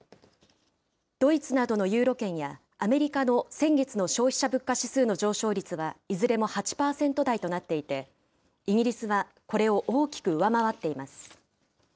ドイツなどのユーロ圏やアメリカの先月の消費者物価指数の上昇率はいずれも８％台となっていて、イギリスはこれを大きく上回っています。